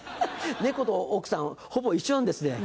猫と奥さんほぼ一緒なんですね。